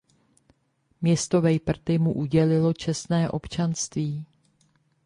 Město Vejprty mu udělilo čestné občanství.